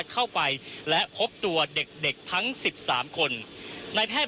คุณทัศนาควดทองเลยค่ะ